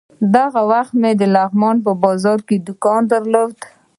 دغه وخت کې مې د لغمان بازار کې یو دوکان درلود.